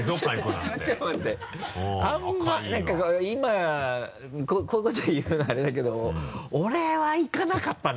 今こういうこと言うのアレだけど俺は行かなかったね